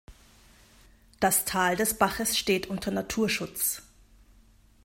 Das Tal des Baches steht unter Naturschutz.